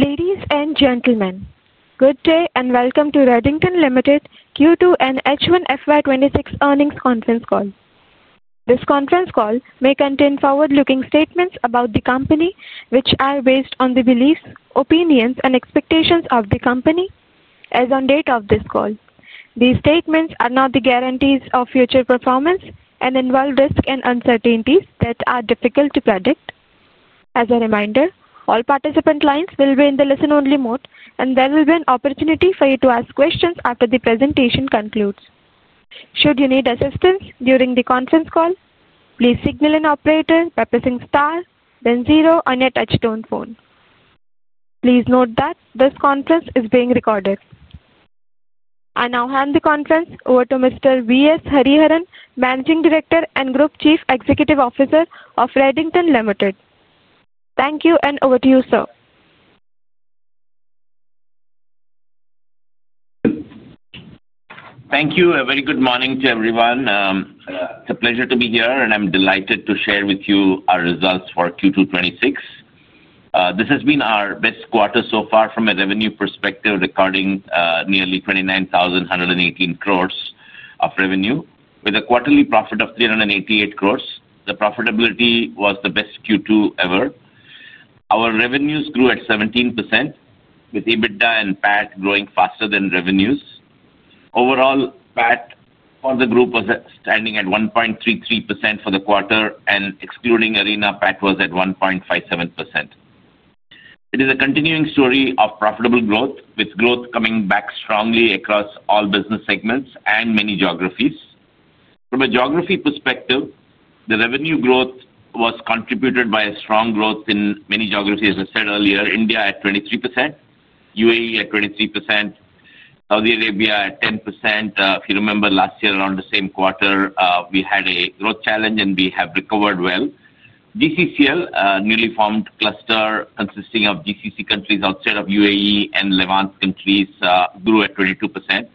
Ladies and gentlemen, good day and welcome to Redington Limited Q2 and H1 FY 2026 earnings conference call. This conference call may contain forward-looking statements about the company, which are based on the beliefs, opinions, and expectations of the company as on date of this call. These statements are not the guarantees of future performance and involve risks and uncertainties that are difficult to predict. As a reminder, all participant lines will be in the listen-only mode, and there will be an opportunity for you to ask questions after the presentation concludes. Should you need assistance during the conference call, please signal an operator by pressing star, then zero on your touchstone phone. Please note that this conference is being recorded. I now hand the conference over to Mr. V. S. Hariharan, Managing Director and Group Chief Executive Officer of Redington Limited. Thank you, and over to you, sir. Thank you. A very good morning to everyone. It's a pleasure to be here, and I'm delighted to share with you our results for Q2 2026. This has been our best quarter so far from a revenue perspective, recording nearly 29,118 crore of revenue, with a quarterly profit of 388 crore. The profitability was the best Q2 ever. Our revenues grew at 17%, with EBITDA and PAT growing faster than revenues. Overall, PAT for the group was standing at 1.33% for the quarter, and excluding Arena, PAT was at 1.57%. It is a continuing story of profitable growth, with growth coming back strongly across all business segments and many geographies. From a geography perspective, the revenue growth was contributed by a strong growth in many geographies. As I said earlier, India at 23%, UAE at 23%, Saudi Arabia at 10%. If you remember, last year, around the same quarter, we had a growth challenge, and we have recovered well. GCC, a newly formed cluster consisting of GCC countries outside of UAE and Levant countries, grew at 22%.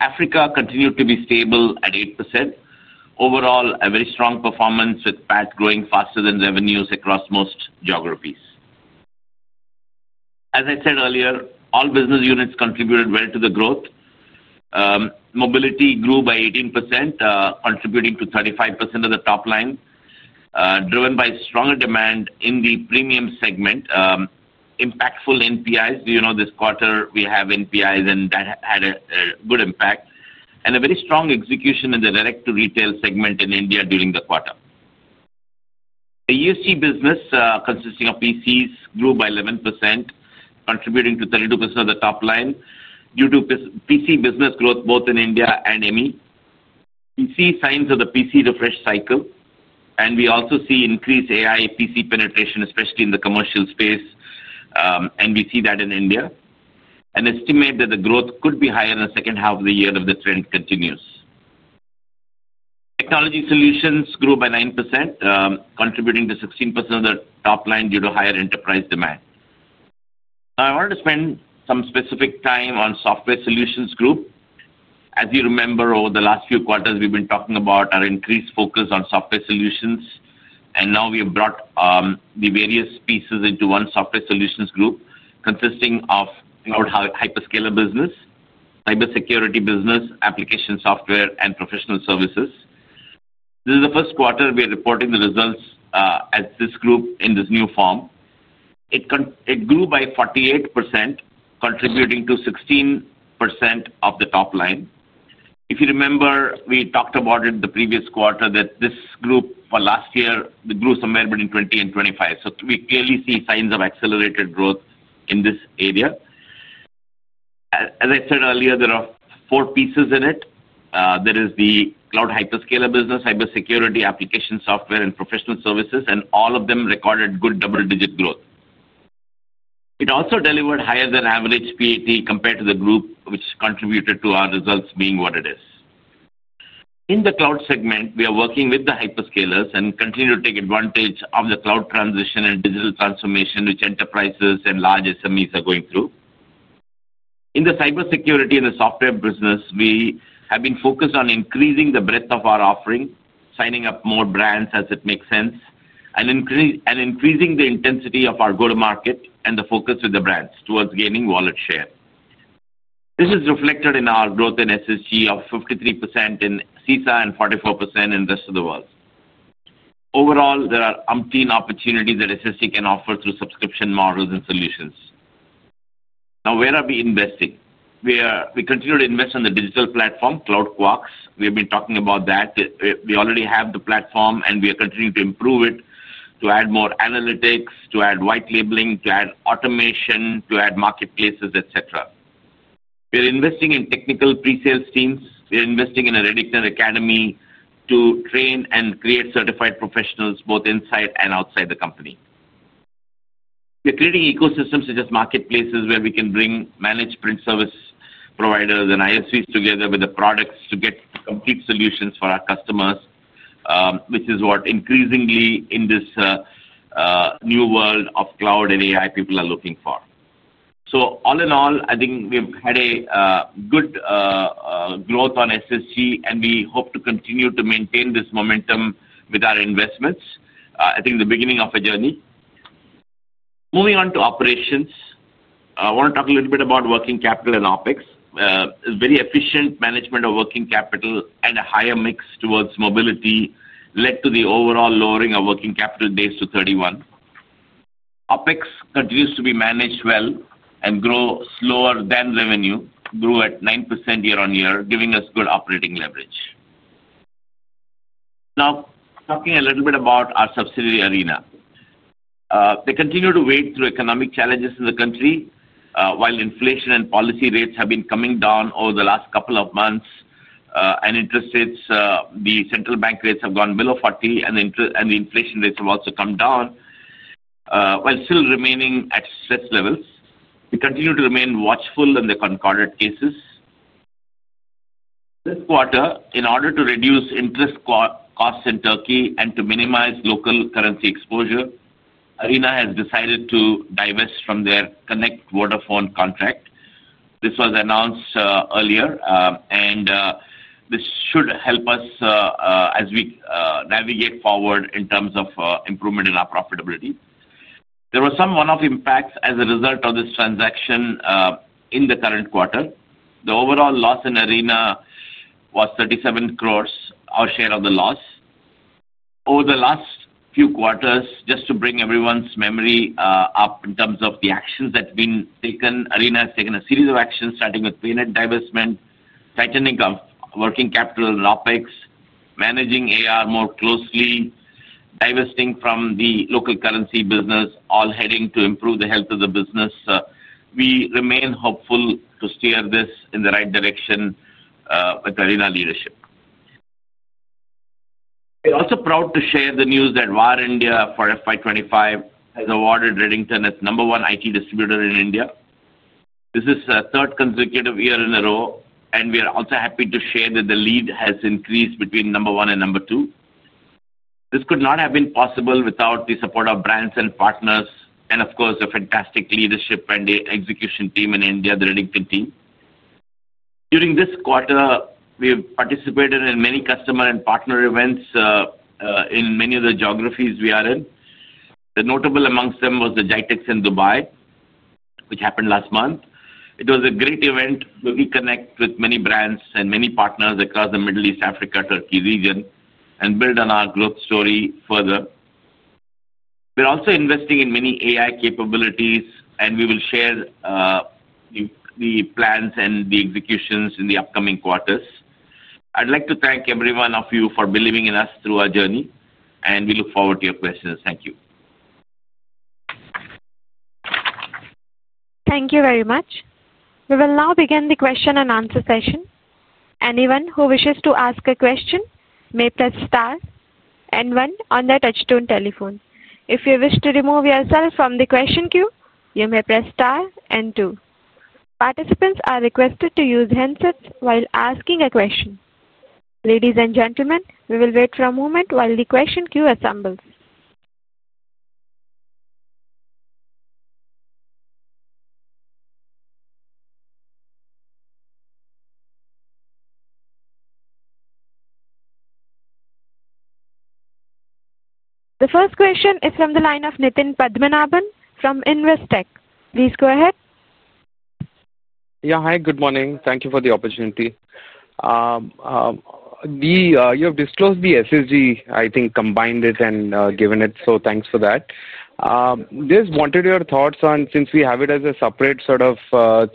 Africa continued to be stable at 8%. Overall, a very strong performance, with PAT growing faster than revenues across most geographies. As I said earlier, all business units contributed well to the growth. Mobility grew by 18%, contributing to 35% of the top line. Driven by stronger demand in the premium segment. Impactful NPIs. This quarter, we have NPIs, and that had a good impact. A very strong execution in the direct-to-retail segment in India during the quarter. The ESG business, consisting of PCs, grew by 11%, contributing to 32% of the top line. Due to PC business growth, both in India and Middle East. PC signs of the PC refresh cycle, and we also see increased AI PC penetration, especially in the commercial space. We see that in India. An estimate that the growth could be higher in the second half of the year if the trend continues. Technology solutions grew by 9%, contributing to 16% of the top line due to higher enterprise demand. I wanted to spend some specific time on the Software Solutions Group. As you remember, over the last few quarters, we've been talking about our increased focus on software solutions, and now we have brought the various pieces into one Software Solutions Group, consisting of hyperscaler business, cybersecurity business, application software, and professional services. This is the first quarter we are reporting the results as this group in this new form. It grew by 48%, contributing to 16% of the top line. If you remember, we talked about it the previous quarter, that this group, for last year, grew somewhere between 20-25%. We clearly see signs of accelerated growth in this area. As I said earlier, there are four pieces in it. There is the cloud hyperscaler business, cybersecurity, application software, and professional services, and all of them recorded good double-digit growth. It also delivered higher-than-average PAT compared to the group, which contributed to our results being what it is. In the cloud segment, we are working with the hyperscalers and continue to take advantage of the cloud transition and digital transformation, which enterprises and large SMEs are going through. In the cybersecurity and the software business, we have been focused on increasing the breadth of our offering, signing up more brands as it makes sense, and increasing the intensity of our go-to-market and the focus with the brands towards gaining wallet share. This is reflected in our growth in SSG of 53% in CISA and 44% in the rest of the world. Overall, there are umpteen opportunities that SSG can offer through subscription models and solutions. Now, where are we investing? We continue to invest in the digital platform, CloudQuarks. We have been talking about that. We already have the platform, and we are continuing to improve it, to add more analytics, to add white labeling, to add automation, to add marketplaces, et cetera. We are investing in technical presales teams. We are investing in a Redington Academy to train and create certified professionals both inside and outside the company. We are creating ecosystems such as marketplaces where we can bring management service providers and ISVs together with the products to get complete solutions for our customers, which is what increasingly, in this new world of cloud and AI, people are looking for. All in all, I think we have had good growth on SSG, and we hope to continue to maintain this momentum with our investments. I think the beginning of a journey. Moving on to operations. I want to talk a little bit about working capital and OpEx. Very efficient management of working capital and a higher mix towards mobility led to the overall lowering of working capital base to 31. OpEx continues to be managed well and grow slower than revenue. Grew at 9% year-on-year, giving us good operating leverage. Now, talking a little bit about our subsidiary Arena. They continue to wait through economic challenges in the country while inflation and policy rates have been coming down over the last couple of months. Interest rates, the central bank rates, have gone below 40, and the inflation rates have also come down, while still remaining at stress levels. We continue to remain watchful in the concorded cases. This quarter, in order to reduce interest costs in Turkey and to minimize local currency exposure, Arena has decided to divest from their Connect Vodafone contract. This was announced earlier. This should help us as we navigate forward in terms of improvement in our profitability. There were some one-off impacts as a result of this transaction in the current quarter. The overall loss in Arena was 370,000,000, our share of the loss. Over the last few quarters, just to bring everyone's memory up in terms of the actions that have been taken, Arena has taken a series of actions, starting with payment divestment, tightening of working capital and OpEx, managing AR more closely, divesting from the local currency business, all heading to improve the health of the business. We remain hopeful to steer this in the right direction with Arena leadership. We are also proud to share the news that VAR India for FY 2025 has awarded Redington as number one IT distributor in India. This is the third consecutive year in a row, and we are also happy to share that the lead has increased between number one and number two. This could not have been possible without the support of brands and partners, and of course, a fantastic leadership and execution team in India, the Redington team. During this quarter, we have participated in many customer and partner events in many of the geographies we are in. The notable amongst them was the GITEX in Dubai, which happened last month. It was a great event where we connect with many brands and many partners across the Middle East, Africa, and Turkey region and build on our growth story further. We're also investing in many AI capabilities, and we will share the plans and the executions in the upcoming quarters. I'd like to thank every one of you for believing in us through our journey, and we look forward to your questions. Thank you. Thank you very much. We will now begin the question and answer session. Anyone who wishes to ask a question may press star and one on their touchstone telephone. If you wish to remove yourself from the question queue, you may press star and two. Participants are requested to use handsets while asking a question. Ladies and gentlemen, we will wait for a moment while the question queue assembles. The first question is from the line of Nitin Padmanabhan from Investec. Please go ahead. Yeah, hi, good morning. Thank you for the opportunity. You have disclosed the SSG, I think, combined it and given it, so thanks for that. Just wanted your thoughts on, since we have it as a separate sort of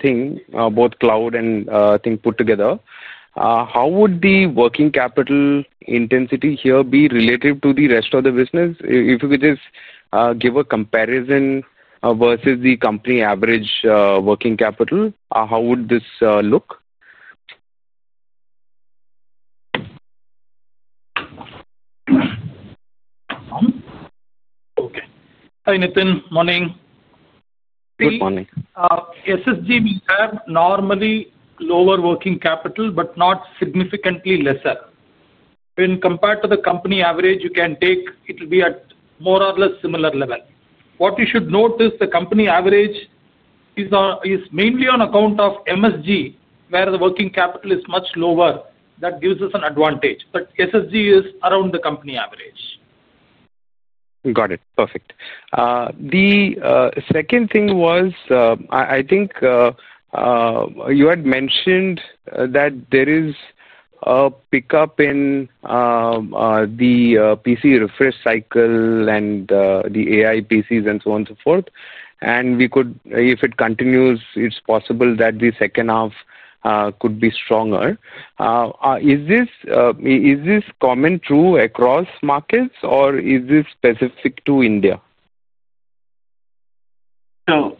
thing, both cloud and I think put together, how would the working capital intensity here be related to the rest of the business? If you could just give a comparison. Versus the company average working capital, how would this look? Okay. Hi, Nitin. Morning. Good morning. SSG will have normally lower working capital, but not significantly lesser. When compared to the company average, you can take it will be at more or less similar level. What you should note is the company average is mainly on account of MSG, where the working capital is much lower. That gives us an advantage. SSG is around the company average. Got it. Perfect. The second thing was, I think you had mentioned that there is a pickup in the PC refresh cycle and the AI PCs and so on and so forth. If it continues, it is possible that the second half could be stronger. Is this common true across markets, or is this specific to India? Thanks,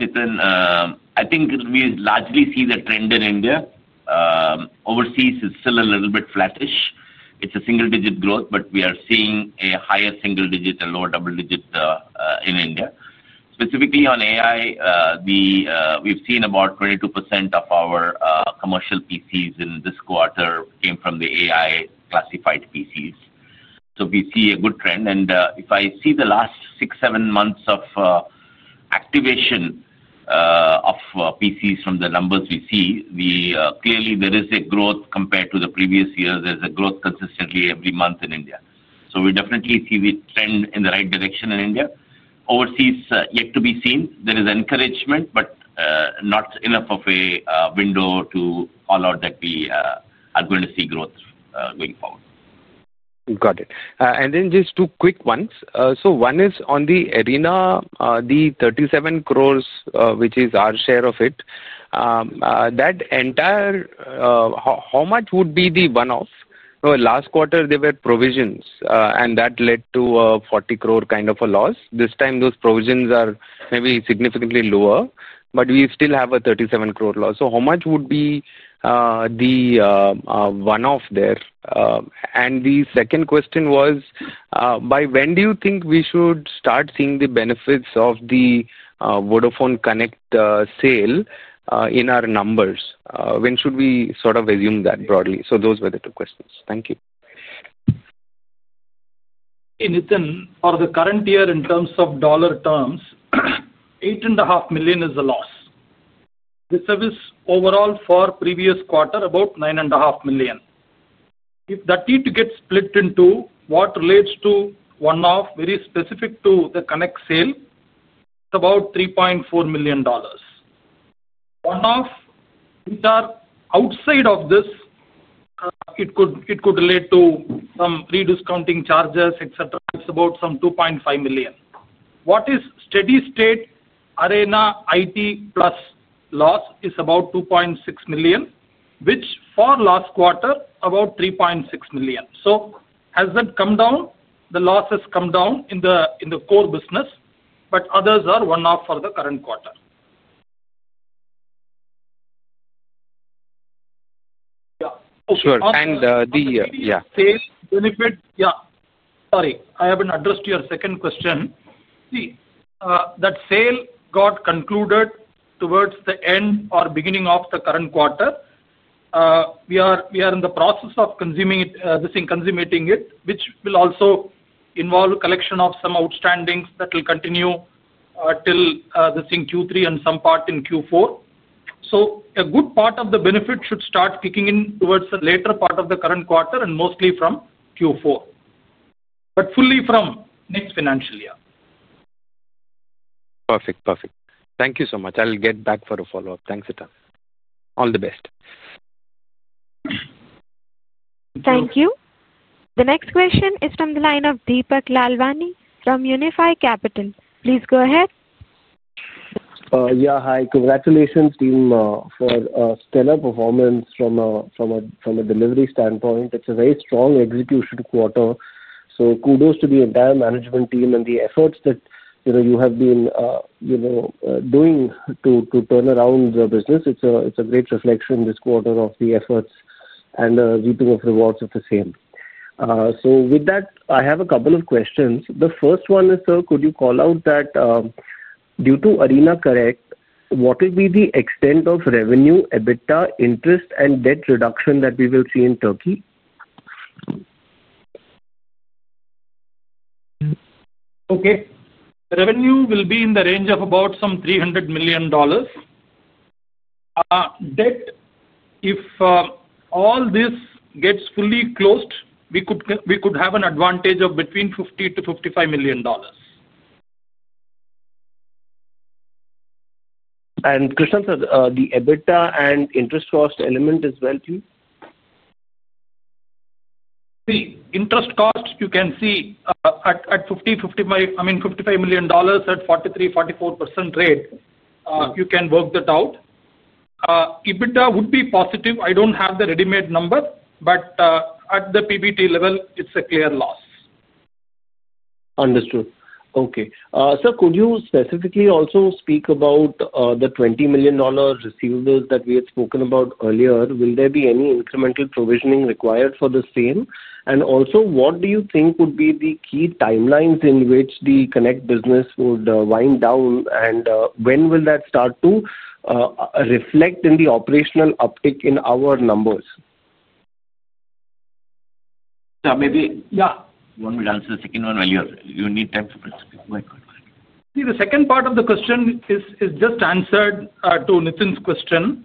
Nitin. I think we largely see the trend in India. Overseas, it's still a little bit flattish. It's a single-digit growth, but we are seeing a higher single-digit and lower double-digit in India. Specifically on AI, we've seen about 22% of our commercial PCs in this quarter came from the AI classified PCs. We see a good trend. If I see the last six, seven months of activation of PCs from the numbers we see, clearly there is a growth compared to the previous years. There's a growth consistently every month in India. We definitely see the trend in the right direction in India. Overseas, yet to be seen. There is encouragement, but not enough of a window to call out that we are going to see growth going forward. Got it. And then just two quick ones. One is on the Arena, the 37 crore, which is our share of it. That entire. How much would be the one-off? Last quarter, there were provisions, and that led to a 40 crore kind of a loss. This time, those provisions are maybe significantly lower, but we still have a 37 crore loss. How much would be the one-off there? The second question was. By when do you think we should start seeing the benefits of the Vodafone Connect sale in our numbers? When should we sort of resume that broadly? Those were the two questions. Thank you. Nitin, for the current year in terms of dollar terms, $8.5 million is a loss. The service overall for previous quarter, about $9.5 million. If that need to get split into what relates to one-off, very specific to the Connect sale, it is about $3.4 million. One-off, which are outside of this, it could relate to some rediscounting charges, etc., it is about $2.5 million. What is steady-state Arena IT plus loss is about $2.6 million, which for last quarter, about $3.6 million. Has that come down? The loss has come down in the core business, but others are one-off for the current quarter. Sure. Yeah. Sale benefit, yeah. Sorry, I haven't addressed your second question. See, that sale got concluded towards the end or beginning of the current quarter. We are in the process of consuming it, this thing, consuming it, which will also involve a collection of some outstandings that will continue till this thing, Q3 and some part in Q4. A good part of the benefit should start kicking in towards the later part of the current quarter and mostly from Q4. Fully from next financial year. Perfect. Perfect. Thank you so much. I'll get back for a follow-up. All the best. Thank you. The next question is from the line of Deepak Lalwani from Unifi Capital. Please go ahead. Yeah, hi. Congratulations, team, for stellar performance from a delivery standpoint. It is a very strong execution quarter. Kudos to the entire management team and the efforts that you have been doing to turn around the business. It is a great reflection this quarter of the efforts and the return of rewards of the same. With that, I have a couple of questions. The first one is, sir, could you call out that due to Arena, what would be the extent of revenue, EBITDA, interest, and debt reduction that we will see in Turkey? Okay. Revenue will be in the range of about $300 million. Debt, if all this gets fully closed, we could have an advantage of between $50 million-$55 million. Krishnan, sir, the EBITDA and interest cost element as well, too? See, interest cost, you can see. At $50 million-$55 million, I mean, $55 million at 43%-44% rate, you can work that out. EBITDA would be positive. I do not have the ready-made number, but at the PBT level, it is a clear loss. Understood. Okay. Sir, could you specifically also speak about the $20 million receivables that we had spoken about earlier? Will there be any incremental provisioning required for the same? Also, what do you think would be the key timelines in which the Connect business would wind down, and when will that start to reflect in the operational uptick in our numbers? Yeah, maybe. Yeah. One will answer the second one when you need time to speak to my question. See, the second part of the question is just answered to Nitin's question.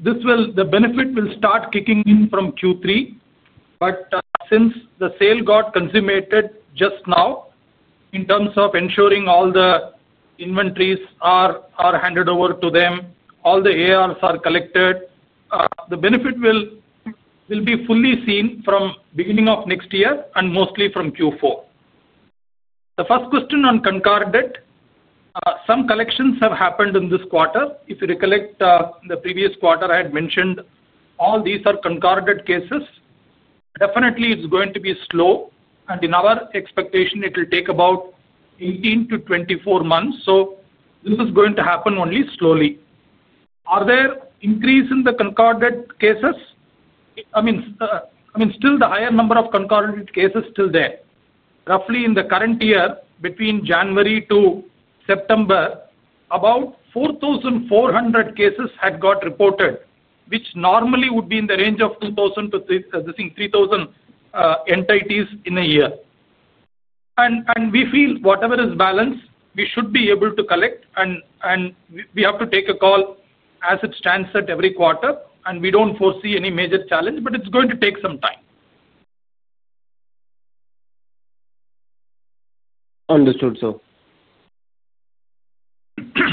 The benefit will start kicking in from Q3, but since the sale got consummated just now. In terms of ensuring all the inventories are handed over to them, all the ARs are collected, the benefit will be fully seen from beginning of next year and mostly from Q4. The first question on concarded. Some collections have happened in this quarter. If you recollect the previous quarter, I had mentioned all these are concarded cases. Definitely, it's going to be slow, and in our expectation, it will take about 18 months-24 months. This is going to happen only slowly. Are there increases in the concarded cases? I mean, still the higher number of concarded cases is still there. Roughly in the current year, between January to September. About 4,400 cases had got reported, which normally would be in the range of 2,000-3,000 entities in a year. We feel whatever is balanced, we should be able to collect, and we have to take a call as it stands at every quarter. We do not foresee any major challenge, but it is going to take some time. Understood, sir.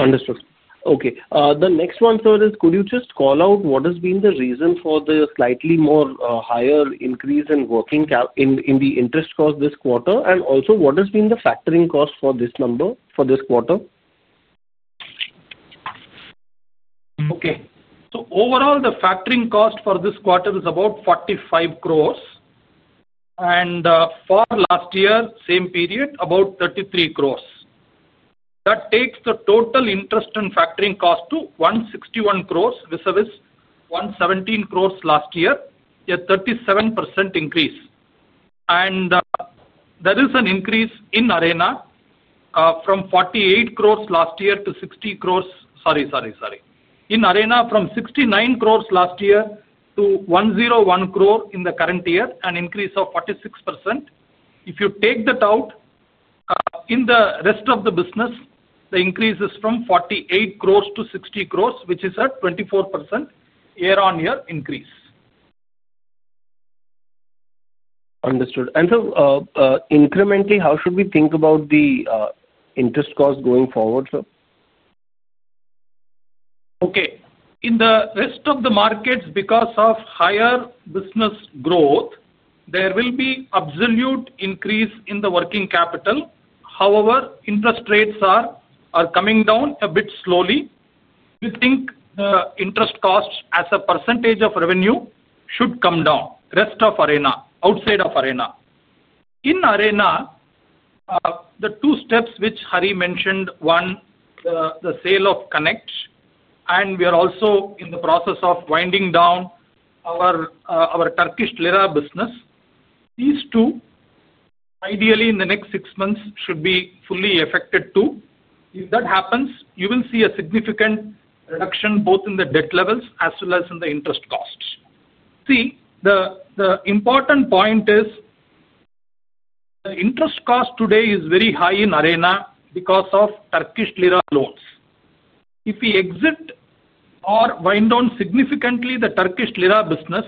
Understood. Okay. The next one, sir, is could you just call out what has been the reason for the slightly more higher increase in the interest cost this quarter? Also, what has been the factoring cost for this number for this quarter? Okay. So overall, the factoring cost for this quarter is about 45 crore. And for last year, same period, about 33 crore. That takes the total interest and factoring cost to 161 crore, which was 117 crore last year, a 37% increase. There is an increase in Arena. From 69 crore last year to 101 crore in the current year and an increase of 46%. If you take that out, in the rest of the business, the increase is from 48 crore to 60 crore, which is a 24% year-on-year increase. Understood. Sir, incrementally, how should we think about the interest cost going forward, sir? Okay. In the rest of the markets, because of higher business growth, there will be absolute increase in the working capital. However, interest rates are coming down a bit slowly. We think the interest costs as a percentage of revenue should come down. Rest of Arena, outside of Arena. In Arena. The two steps which Hari mentioned, one, the sale of Connect, and we are also in the process of winding down our Turkish Lira business. These two, ideally in the next six months, should be fully affected too. If that happens, you will see a significant reduction both in the debt levels as well as in the interest costs. See, the important point is. The interest cost today is very high in Arena because of Turkish Lira loans. If we exit or wind down significantly the Turkish Lira business.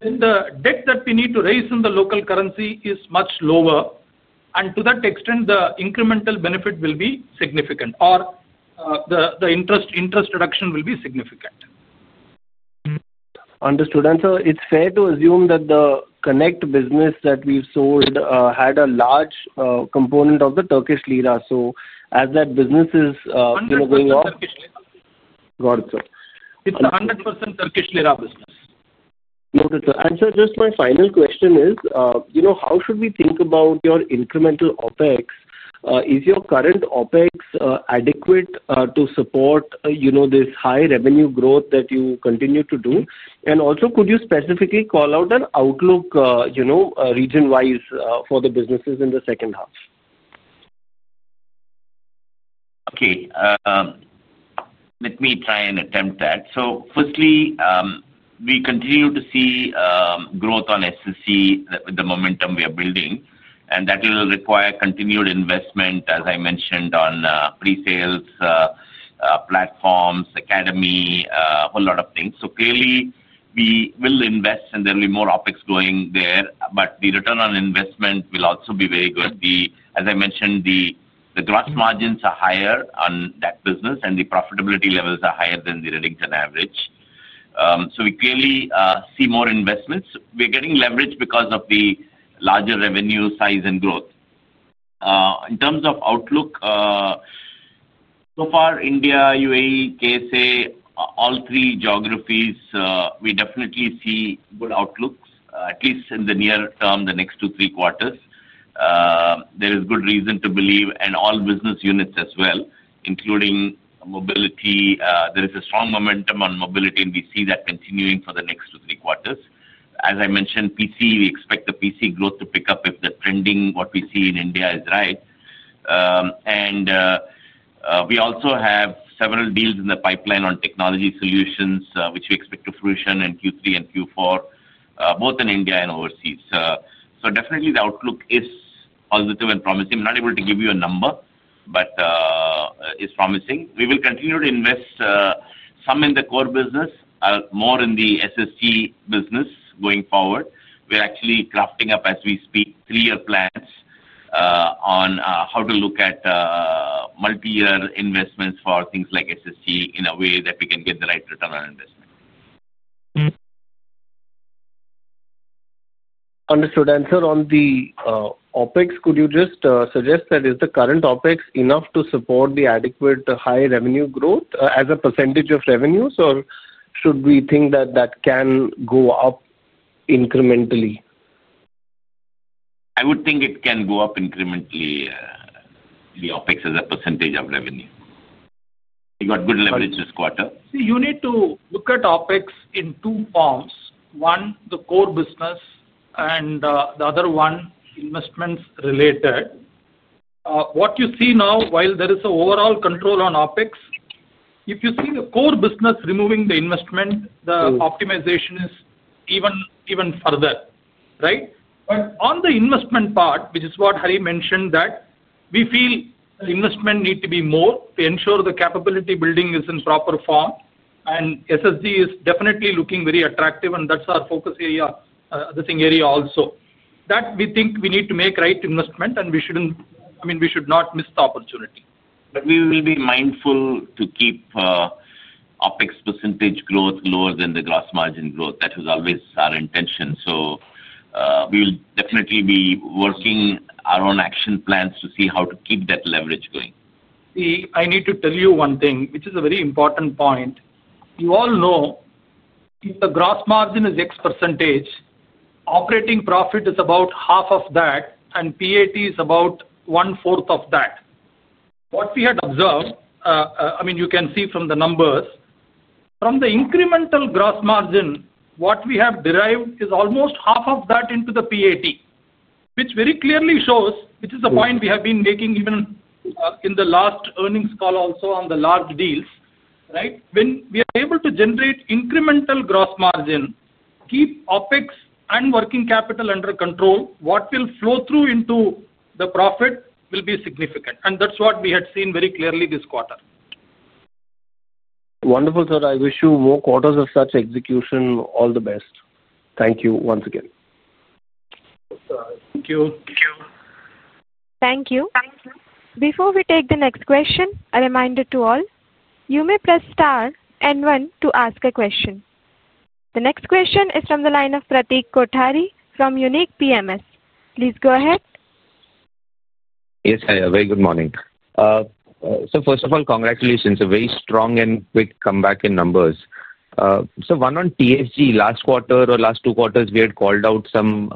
The debt that we need to raise in the local currency is much lower, and to that extent, the incremental benefit will be significant. The interest reduction will be significant. Understood. Sir, it's fair to assume that the Connect business that we've sold had a large component of the Turkish Lira. As that business is going off. 100% Turkish Lira. Got it, sir. It's a 100% Turkish Lira business. Noted, sir. Sir, just my final question is, how should we think about your incremental OpEx? Is your current OpEx adequate to support this high revenue growth that you continue to do? Also, could you specifically call out an outlook region-wise for the businesses in the second half? Okay. Let me try and attempt that. So firstly, we continue to see growth on SSG with the momentum we are building, and that will require continued investment, as I mentioned, on presales, platforms, academy, a whole lot of things. So clearly, we will invest, and there will be more OpEx going there, but the return on investment will also be very good. As I mentioned, the gross margins are higher on that business, and the profitability levels are higher than the Redington average. So we clearly see more investments. We're getting leverage because of the larger revenue size and growth. In terms of outlook, so far, India, UAE, KSA, all three geographies, we definitely see good outlooks, at least in the near term, the next two, three quarters. There is good reason to believe, and all business units as well, including mobility. There is a strong momentum on mobility, and we see that continuing for the next two, three quarters. As I mentioned, PC, we expect the PC growth to pick up if the trending, what we see in India, is right. We also have several deals in the pipeline on technology solutions, which we expect to fruition in Q3 and Q4, both in India and overseas. Definitely, the outlook is positive and promising. I'm not able to give you a number, but it's promising. We will continue to invest, some in the core business, more in the SSG business going forward. We're actually crafting up, as we speak, three-year plans on how to look at multi-year investments for things like SSG in a way that we can get the right return on investment. Understood. Sir, on the OpEx, could you just suggest that is the current OpEx enough to support the adequate high revenue growth as a percentage of revenues, or should we think that that can go up incrementally? I would think it can go up incrementally. The OpEx as a percentage of revenue. You got good leverage this quarter. See, you need to look at OpEx in two forms. One, the core business. And the other one, investments related. What you see now, while there is an overall control on OpEx, if you see the core business removing the investment, the optimization is even further, right? On the investment part, which is what Hari mentioned, that we feel the investment needs to be more to ensure the capability building is in proper form, and SSG is definitely looking very attractive, and that's our focus area, this thing area also. We think we need to make right investment, and we should not miss the opportunity. We will be mindful to keep OpEx percentage growth lower than the gross margin growth. That was always our intention. We will definitely be working our own action plans to see how to keep that leverage going. See, I need to tell you one thing, which is a very important point. You all know. If the gross margin is X percentage, operating profit is about 1/2 of that, and PAT is about 1/4 of that. What we had observed, I mean, you can see from the numbers, from the incremental gross margin, what we have derived is almost half of that into the PAT, which very clearly shows, which is a point we have been making even in the last earnings call also on the large deals, right? When we are able to generate incremental gross margin, keep OpEx and working capital under control, what will flow through into the profit will be significant. That is what we had seen very clearly this quarter. Wonderful, sir. I wish you more quarters of such execution. All the best. Thank you once again. Thank you. Thank you. Thank you. Before we take the next question, a reminder to all, you may press star and one to ask a question. The next question is from the line of Pratik Kothari from Unique PMS. Please go ahead. Yes, Hi. A very good morning. First of all, congratulations. A very strong and quick comeback in numbers. One on TSG. Last quarter or last two quarters, we had called out some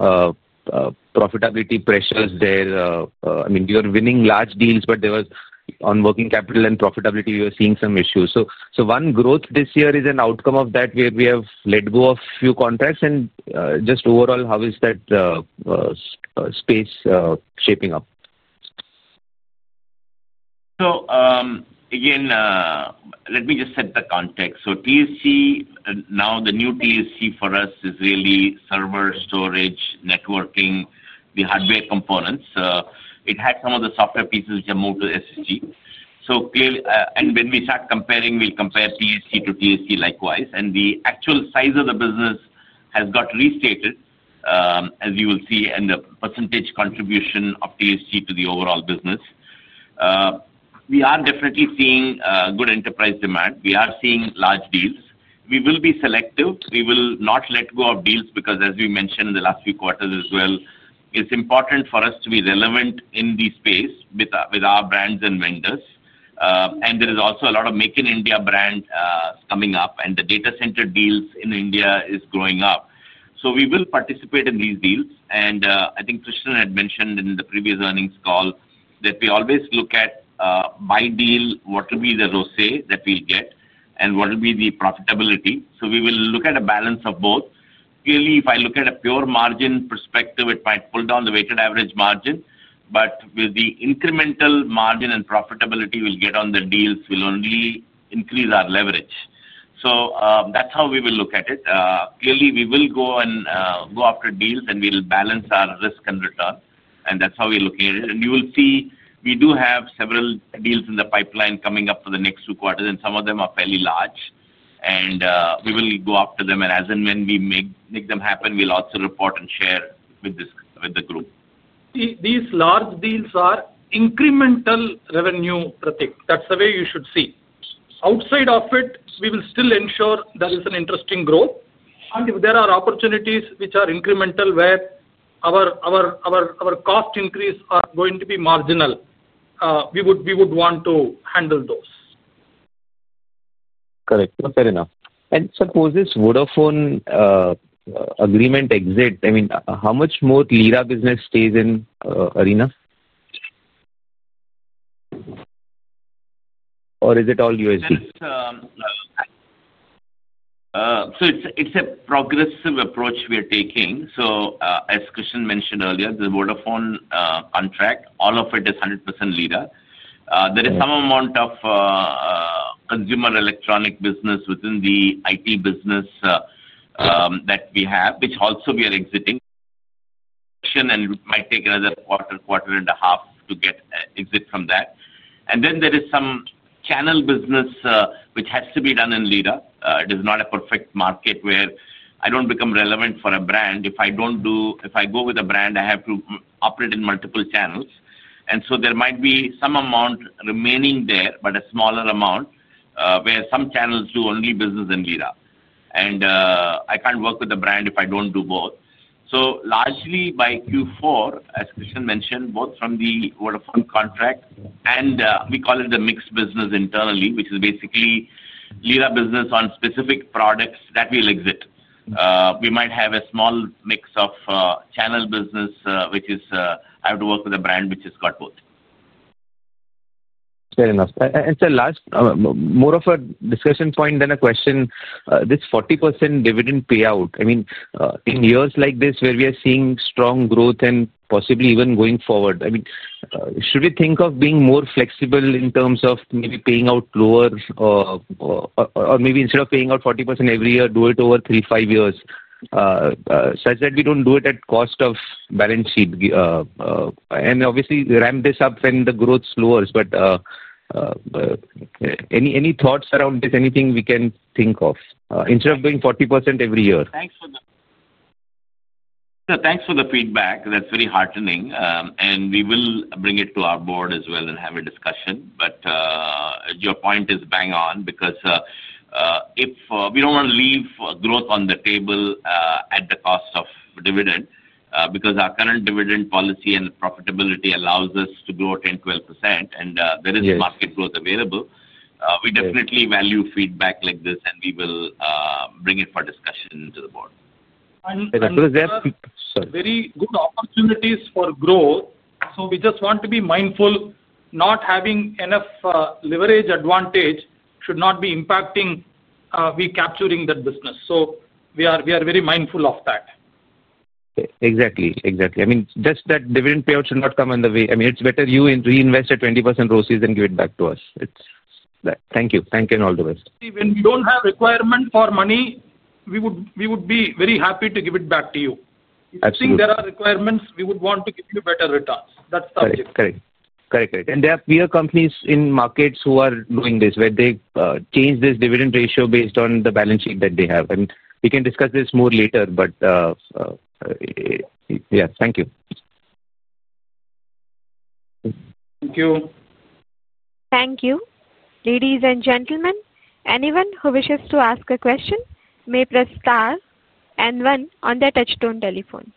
profitability pressures there. I mean, we were winning large deals, but there was on working capital and profitability, we were seeing some issues. One growth this year is an outcome of that where we have let go of a few contracts. Just overall, how is that space shaping up? Let me just set the context. TSG, now the new TSG for us is really server, storage, networking, the hardware components. It had some of the software pieces which have moved to SSG. When we start comparing, we'll compare TSG to TSG likewise. The actual size of the business has got restated. As you will see, the percentage contribution of TSG to the overall business. We are definitely seeing good enterprise demand. We are seeing large deals. We will be selective. We will not let go of deals because, as we mentioned in the last few quarters as well, it's important for us to be relevant in the space with our brands and vendors. There is also a lot of Make in India brand coming up, and the data center deals in India are growing up. We will participate in these deals. I think Krishnan had mentioned in the previous earnings call that we always look at, by deal, what will be the ROSÉ that we'll get, and what will be the profitability. We will look at a balance of both. Clearly, if I look at a pure margin perspective, it might pull down the weighted average margin, but with the incremental margin and profitability we'll get on the deals, we'll only increase our leverage. That's how we will look at it. Clearly, we will go after deals, and we'll balance our risk and return. That's how we're looking at it. You will see we do have several deals in the pipeline coming up for the next two quarters, and some of them are fairly large. We will go after them, and as and when we make them happen, we'll also report and share with the group. See, these large deals are incremental revenue, Pratik. That's the way you should see it. Outside of it, we will still ensure there is an interesting growth. If there are opportunities which are incremental where our cost increases are going to be marginal, we would want to handle those. Correct. Fair enough. Suppose this Vodafone agreement exits, I mean, how much more Lira business stays in Arena? Or is it all USD? It is a progressive approach we are taking. As Krishnan mentioned earlier, the Vodafone contract, all of it is 100% Lira. There is some amount of consumer electronic business within the IT business that we have, which also we are exiting. It might take another quarter, quarter and a half to get exit from that. There is some channel business which has to be done in Lira. It is not a perfect market where I do not become relevant for a brand. If I go with a brand, I have to operate in multiple channels. There might be some amount remaining there, but a smaller amount where some channels do only business in Lira. I cannot work with a brand if I do not do both. Largely by Q4, as Krishnan mentioned, both from the Vodafone contract and we call it the mixed business internally, which is basically Lira business on specific products that we'll exit. We might have a small mix of channel business, which is I have to work with a brand which has got both. Fair enough. Sir, last, more of a discussion point than a question, this 40% dividend payout, I mean, in years like this where we are seeing strong growth and possibly even going forward, I mean, should we think of being more flexible in terms of maybe paying out lower? Maybe instead of paying out 40% every year, do it over three-five years, such that we do not do it at cost of balance sheet. Obviously, ramp this up when the growth slowers. Any thoughts around this, anything we can think of instead of doing 40% every year? Thanks for the. Sir, thanks for the feedback. That's very heartening. We will bring it to our board as well and have a discussion. Your point is bang on because if we don't want to leave growth on the table at the cost of dividend, because our current dividend policy and profitability allows us to grow 10%-12%, and there is market growth available, we definitely value feedback like this, and we will bring it for discussion to the board. Sir, sorry. Very good opportunities for growth. We just want to be mindful not having enough leverage advantage should not be impacting. We capturing that business. We are very mindful of that. Exactly. Exactly. I mean, just that dividend payout should not come in the way. I mean, it's better you reinvest a 20% ROCE than give it back to us. Thank you. Thank you and all the best. See, when we do not have requirement for money, we would be very happy to give it back to you. If you think there are requirements, we would want to give you better returns. That is the objective. Correct. Correct. Correct. And there are peer companies in markets who are doing this where they change this dividend ratio based on the balance sheet that they have. We can discuss this more later, but yeah, thank you. Thank you. Thank you. Ladies and gentlemen, anyone who wishes to ask a question may press star and one on their touchstone telephone.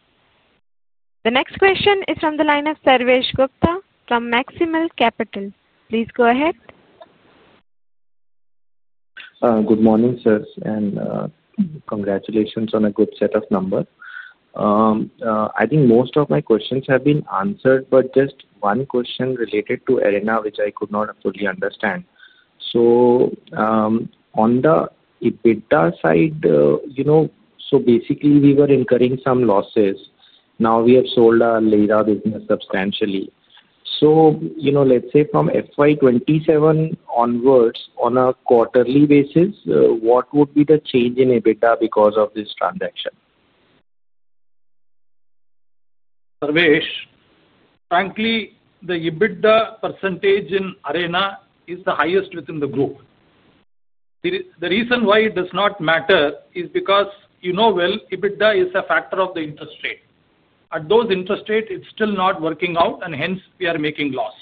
The next question is from the line of Sarvesh Gupta from Maximal Capital. Please go ahead. Good morning, sirs. Congratulations on a good set of numbers. I think most of my questions have been answered, but just one question related to Arena, which I could not fully understand. On the EBITDA side, basically, we were incurring some losses. Now we have sold our Lira business substantially. Let's say from FY 2027 onwards, on a quarterly basis, what would be the change in EBITDA because of this transaction? Sarvesh. Frankly, the EBITDA percentage in Arena is the highest within the group. The reason why it does not matter is because you know well, EBITDA is a factor of the interest rate. At those interest rates, it is still not working out, and hence we are making loss.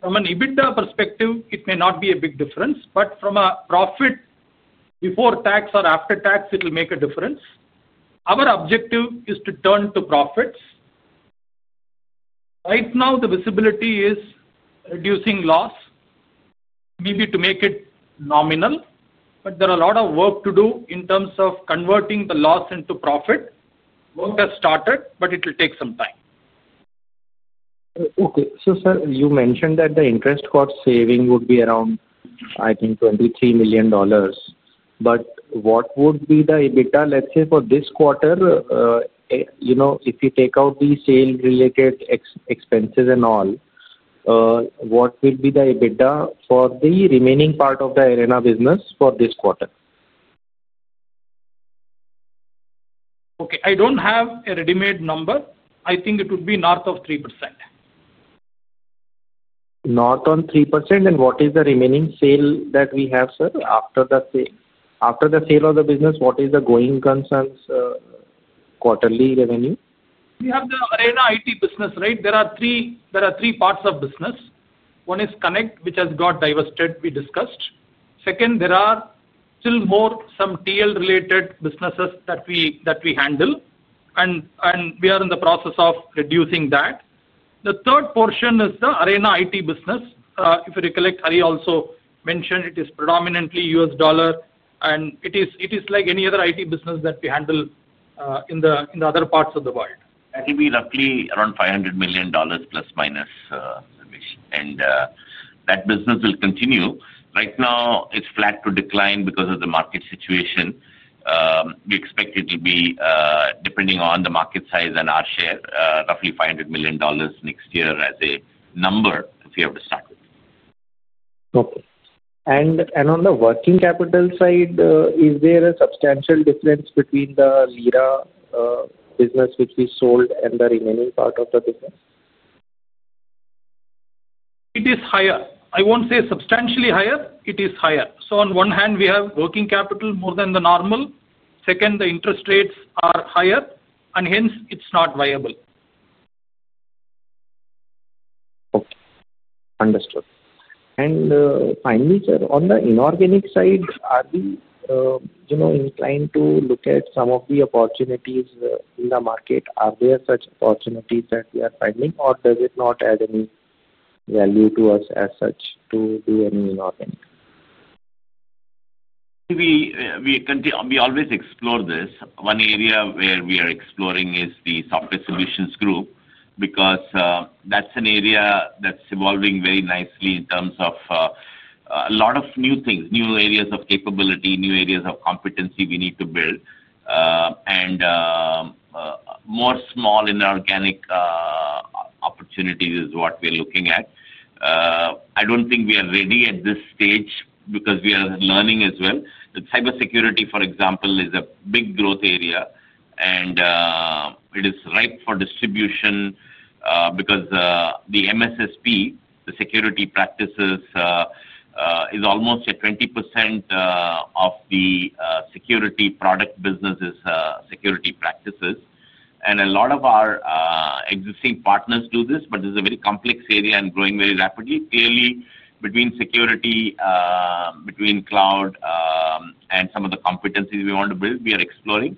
From an EBITDA perspective, it may not be a big difference, but from a profit before tax or after tax, it will make a difference. Our objective is to turn to profits. Right now, the visibility is reducing loss. Maybe to make it nominal, but there is a lot of work to do in terms of converting the loss into profit. Work has started, but it will take some time. Okay. Sir, you mentioned that the interest cost saving would be around, I think, $23 million. What would be the EBITDA, let's say, for this quarter? If you take out the sale-related expenses and all, what will be the EBITDA for the remaining part of the Arena business for this quarter? Okay. I don't have a ready-made number. I think it would be north of 3%. North on 3%. What is the remaining sale that we have, sir? After the sale of the business, what is the going concerns quarterly revenue? We have the Arena IT business, right? There are three parts of business. One is Connect, which has got divested, we discussed. Second, there are still more some TL-related businesses that we handle, and we are in the process of reducing that. The third portion is the Arena IT business. If you recollect, Hari also mentioned it is predominantly US dollar, and it is like any other IT business that we handle in the other parts of the world. I think we're roughly around $500 million, plus minus, Sarvesh. That business will continue. Right now, it's flat to decline because of the market situation. We expect it will be, depending on the market size and our share, roughly $500 million next year as a number if we have to start with. Okay. On the working capital side, is there a substantial difference between the Lira business which we sold and the remaining part of the business? It is higher. I won't say substantially higher. It is higher. On one hand, we have working capital more than the normal. Second, the interest rates are higher, and hence it's not viable. Okay. Understood. Finally, sir, on the inorganic side, are we inclined to look at some of the opportunities in the market? Are there such opportunities that we are finding, or does it not add any value to us as such to do any inorganic? We always explore this. One area where we are exploring is the Software Solutions Group because that's an area that's evolving very nicely in terms of a lot of new things, new areas of capability, new areas of competency we need to build. More small inorganic opportunities is what we're looking at. I don't think we are ready at this stage because we are learning as well. Cybersecurity, for example, is a big growth area, and it is ripe for distribution because the MSSP, the security practices, is almost at 20% of the security product business's security practices. A lot of our existing partners do this, but this is a very complex area and growing very rapidly. Clearly, between security, between cloud, and some of the competencies we want to build, we are exploring,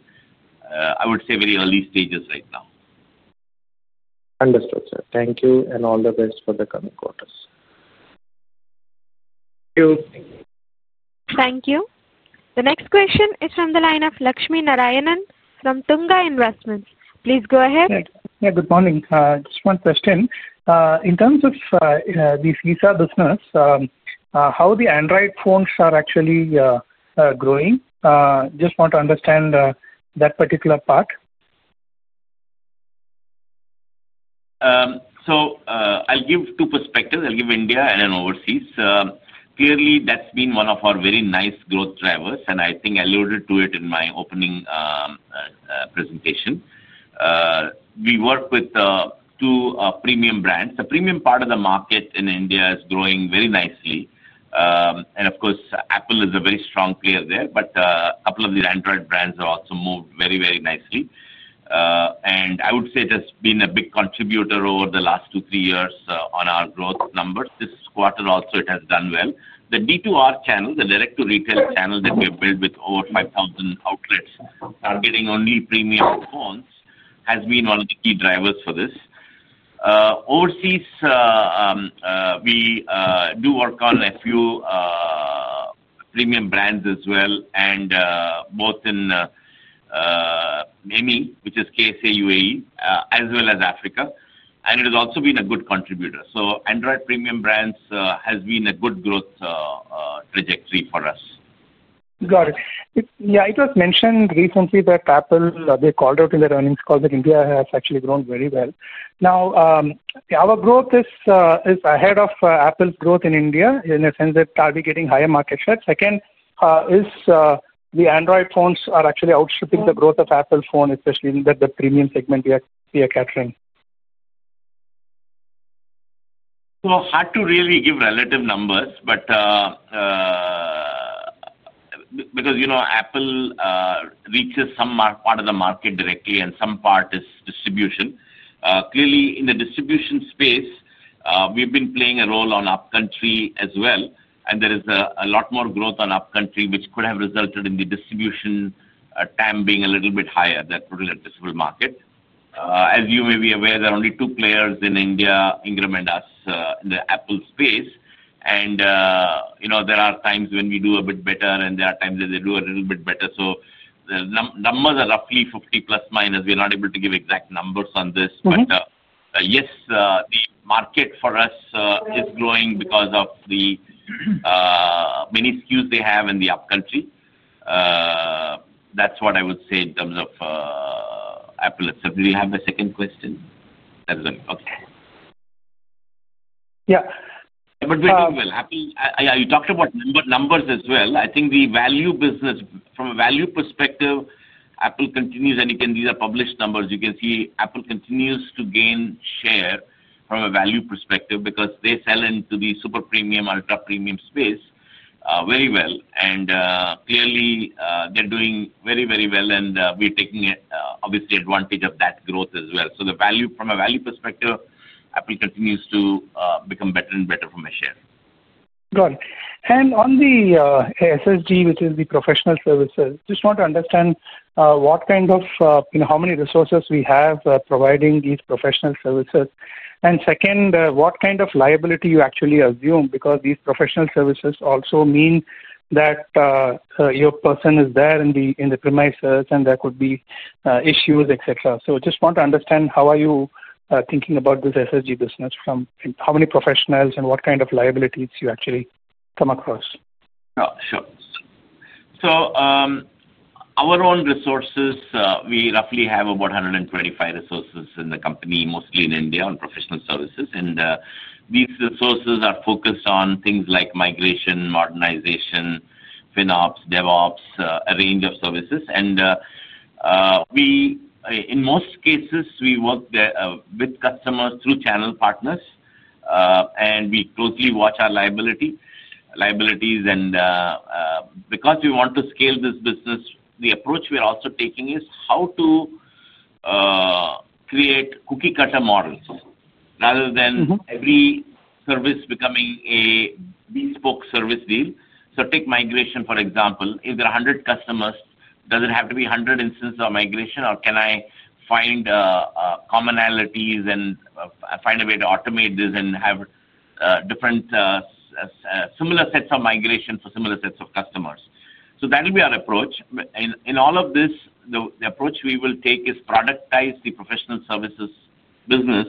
I would say, very early stages right now. Understood, sir. Thank you. All the best for the coming quarters. Thank you. Thank you. The next question is from the line of Lakshminarayanan from Tunga Investments. Please go ahead. Yeah. Good morning. Just one question. In terms of the Visa business, how the Android phones are actually growing, just want to understand that particular part. I'll give two perspectives. I'll give India and then overseas. Clearly, that's been one of our very nice growth drivers, and I think I alluded to it in my opening presentation. We work with two premium brands. The premium part of the market in India is growing very nicely. Of course, Apple is a very strong player there, but a couple of the Android brands have also moved very, very nicely. I would say it has been a big contributor over the last two to three years on our growth numbers. This quarter also, it has done well. The D2R channel, the direct-to-retail channel that we have built with over 5,000 outlets targeting only premium phones, has been one of the key drivers for this. Overseas, we do work on a few premium brands as well, and both in KSA, UAE, as well as Africa. It has also been a good contributor. Android premium brands has been a good growth trajectory for us. Got it. Yeah. It was mentioned recently that Apple, they called out in their earnings call that India has actually grown very well. Now, our growth is ahead of Apple's growth in India in the sense that are we getting higher market shares? Second, is the Android phones are actually outstripping the growth of Apple phones, especially in the premium segment we are capturing? Is hard to really give relative numbers, but because Apple reaches some part of the market directly and some part is distribution. Clearly, in the distribution space, we have been playing a role on upcountry as well, and there is a lot more growth on upcountry, which could have resulted in the distribution time being a little bit higher than for the discipline market. As you may be aware, there are only two players in India, Ingram and us, in the Apple space. There are times when we do a bit better, and there are times when they do a little bit better. The numbers are roughly 50 plus minus. We are not able to give exact numbers on this, but yes, the market for us is growing because of the many SKUs they have in the upcountry. That is what I would say in terms of Apple itself. Do you have a second question? That's good. Okay. Yeah. We're doing well. You talked about numbers as well. I think the value business, from a value perspective, Apple continues, and you can see the published numbers. You can see Apple continues to gain share from a value perspective because they sell into the super premium, ultra premium space very well. Clearly, they're doing very, very well, and we're taking, obviously, advantage of that growth as well. From a value perspective, Apple continues to become better and better from a share. Got it. On the SSG, which is the professional services, just want to understand what kind of, how many resources we have providing these professional services. Second, what kind of liability you actually assume because these professional services also mean that your person is there in the premises, and there could be issues, etc. Just want to understand how are you thinking about this SSG business, how many professionals, and what kind of liabilities you actually come across. Sure. Our own resources, we roughly have about 125 resources in the company, mostly in India on professional services. These resources are focused on things like migration, modernization, FinOps, DevOps, a range of services. In most cases, we work with customers through channel partners. We closely watch our liabilities. Because we want to scale this business, the approach we are also taking is how to create cookie-cutter models rather than every service becoming a bespoke service deal. Take migration, for example. If there are 100 customers, does it have to be 100 instances of migration, or can I find commonalities and find a way to automate this and have different, similar sets of migration for similar sets of customers? That will be our approach. In all of this, the approach we will take is productize the professional services business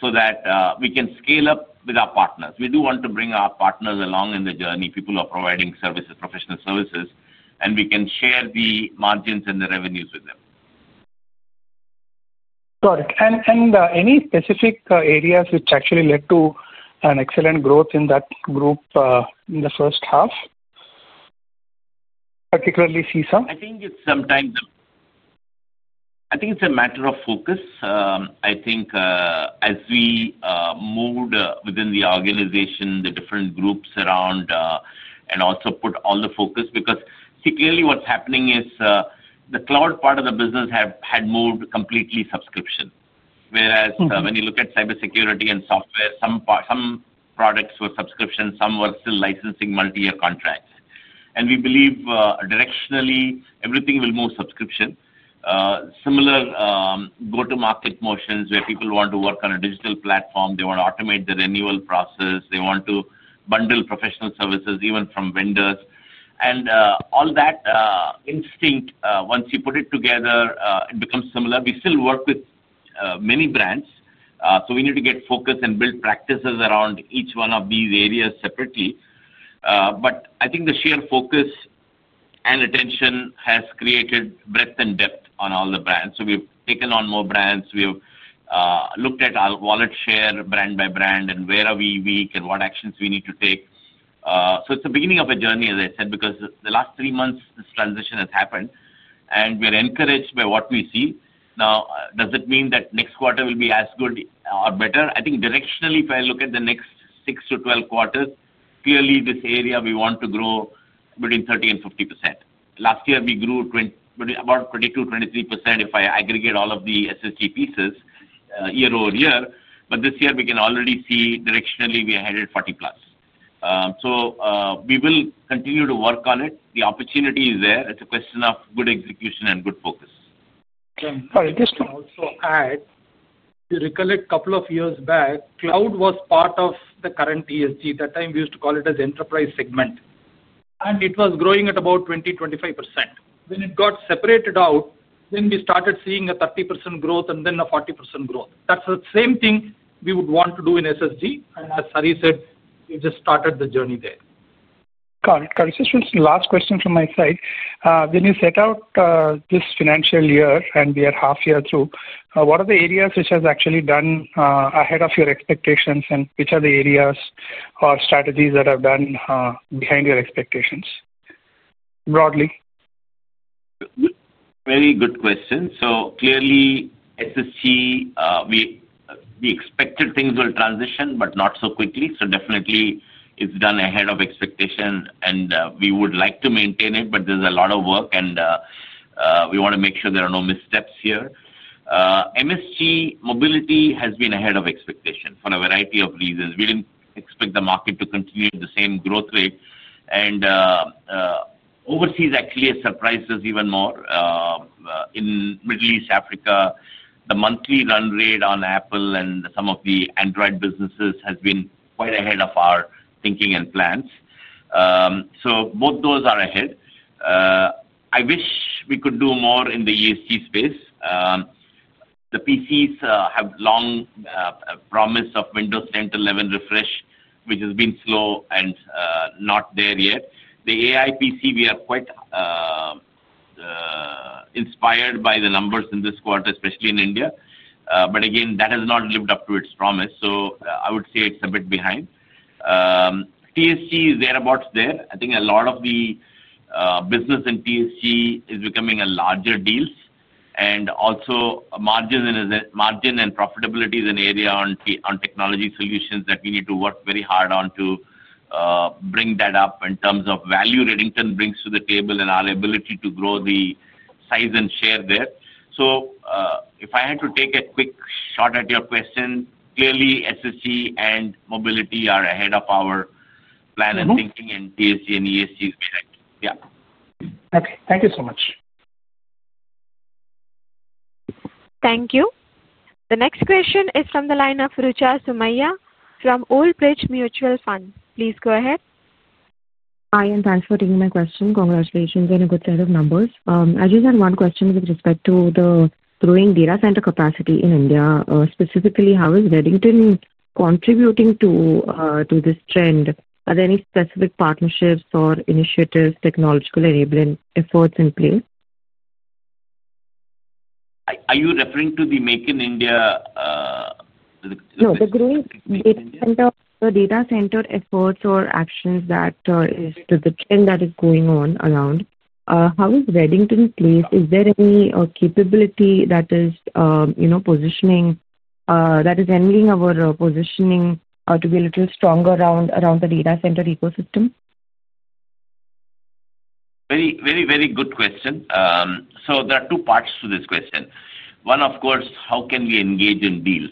so that we can scale up with our partners. We do want to bring our partners along in the journey, people who are providing professional services, and we can share the margins and the revenues with them. Got it. Any specific areas which actually led to an excellent growth in that group in the first half? Particularly CISA? I think it's sometimes. I think it's a matter of focus. I think as we moved within the organization, the different groups around. And also put all the focus because clearly what's happening is the cloud part of the business had moved completely subscription. Whereas when you look at cybersecurity and software, some products were subscription, some were still licensing multi-year contracts. We believe directionally, everything will move subscription. Similar go-to-market motions where people want to work on a digital platform, they want to automate the renewal process, they want to bundle professional services even from vendors. All that instinct, once you put it together, it becomes similar. We still work with many brands, so we need to get focused and build practices around each one of these areas separately. I think the shared focus and attention has created breadth and depth on all the brands. We have taken on more brands. We have looked at our wallet share brand by brand and where we are weak and what actions we need to take. It is the beginning of a journey, as I said, because the last three months, this transition has happened, and we are encouraged by what we see. Now, does it mean that next quarter will be as good or better? I think directionally, if I look at the next 6-12 quarters, clearly this area we want to grow between 30%-50%. Last year, we grew about 22%-23% if I aggregate all of the SSG pieces year over year. This year, we can already see directionally we are headed 40%+. We will continue to work on it. The opportunity is there. It is a question of good execution and good focus. Okay. All right. Just to also add. You recollect a couple of years back, cloud was part of the current SSG. At that time, we used to call it as enterprise segment. And it was growing at about 20%-25%. When it got separated out, then we started seeing a 30% growth and then a 40% growth. That is the same thing we would want to do in SSG. And as Hari said, we just started the journey there. Got it. Got it. This was the last question from my side. When you set out this financial year and we are half year through, what are the areas which have actually done ahead of your expectations, and which are the areas or strategies that have done behind your expectations broadly? Very good question. Clearly, SSG. We expected things will transition, but not so quickly. Definitely, it has done ahead of expectation, and we would like to maintain it, but there is a lot of work, and we want to make sure there are no missteps here. MSG mobility has been ahead of expectation for a variety of reasons. We did not expect the market to continue at the same growth rate. Overseas actually surprises even more. In Middle East, Africa, the monthly run rate on Apple and some of the Android businesses has been quite ahead of our thinking and plans. Both those are ahead. I wish we could do more in the ESG space. The PCs have long promise of Windows 10 to 11 refresh, which has been slow and not there yet. The AI PC, we are quite. Inspired by the numbers in this quarter, especially in India. That has not lived up to its promise. I would say it is a bit behind. TSG is thereabouts there. I think a lot of the business in TSG is becoming larger deals. Also, margin and profitability is an area on technology solutions that we need to work very hard on to bring that up in terms of value Redington brings to the table and our ability to grow the size and share there. If I had to take a quick shot at your question, clearly, SSG and mobility are ahead of our plan and thinking, and TSG and ESG is behind. Yeah. Okay. Thank you so much. Thank you. The next question is from the line of Rucha Sumaiya from Old Bridge Mutual Fund. Please go ahead. Hi. I'm transferring my question. Congratulations on a good set of numbers. I just had one question with respect to the growing data center capacity in India. Specifically, how is Redington contributing to this trend? Are there any specific partnerships or initiatives, technological enabling efforts in place? Are you referring to the Make in India? No, the growing data center efforts or actions, that is the trend that is going on around. How is Redington placed? Is there any capability that is positioning, that is enabling our positioning to be a little stronger around the data center ecosystem? Very, very good question. There are two parts to this question. One, of course, how can we engage in deals?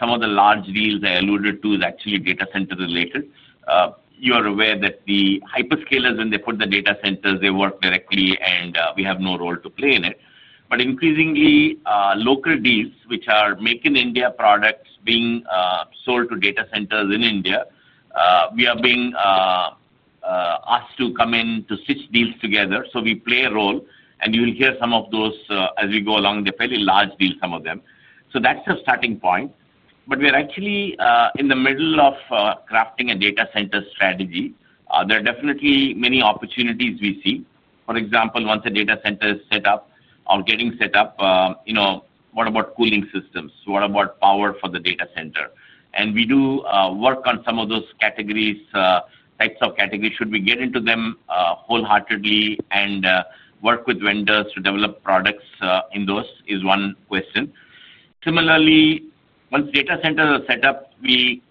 Some of the large deals I alluded to are actually data center related. You are aware that the hyperscalers, when they put the data centers, they work directly, and we have no role to play in it. Increasingly, local deals, which are Make in India products being sold to data centers in India, we are being asked to come in to stitch deals together. We play a role, and you will hear some of those as we go along. They are fairly large deals, some of them. That is a starting point. We are actually in the middle of crafting a data center strategy. There are definitely many opportunities we see. For example, once a data center is set up or getting set up. What about cooling systems? What about power for the data center? We do work on some of those categories, types of categories. Should we get into them wholeheartedly and work with vendors to develop products in those is one question. Similarly, once data centers are set up,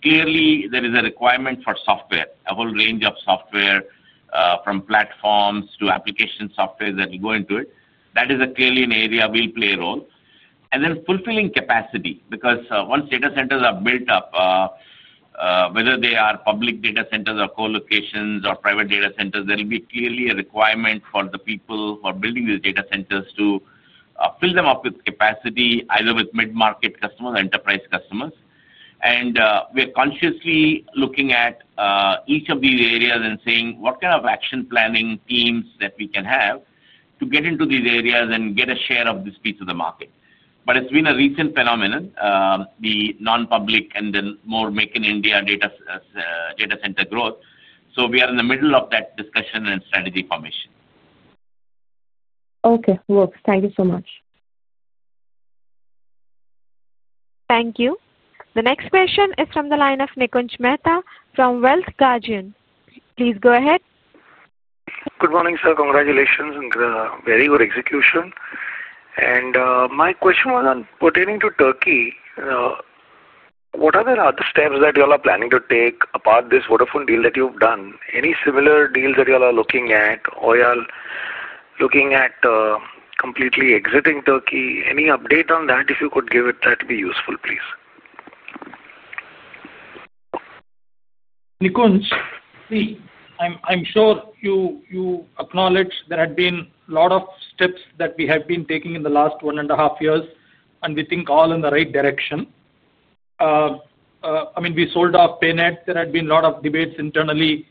clearly, there is a requirement for software, a whole range of software from platforms to application software that will go into it. That is clearly an area we will play a role. Then fulfilling capacity because once data centers are built up. Whether they are public data centers or co-locations or private data centers, there will be clearly a requirement for the people who are building these data centers to fill them up with capacity, either with mid-market customers or enterprise customers. We are consciously looking at. Each of these areas and saying, "What kind of action planning teams that we can have to get into these areas and get a share of this piece of the market?" It has been a recent phenomenon, the non-public and then more Make in India data center growth. We are in the middle of that discussion and strategy formation. Okay. Works. Thank you so much. Thank you. The next question is from the line of Nikunj Mehta from Wealth Guardian. Please go ahead. Good morning, sir. Congratulations and very good execution. My question was pertaining to Turkey. What are the other steps that you all are planning to take apart from this Vodafone deal that you've done? Any similar deals that you all are looking at, or are you all looking at completely exiting Turkey? Any update on that, if you could give it? That would be useful, please. Nikunj, I'm sure you acknowledge there have been a lot of steps that we have been taking in the last one and a half years, and we think all in the right direction. I mean, we sold off PayNet. There had been a lot of debates internally.